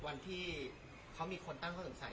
วันที่เขามีคนตั้งข้อสงสัย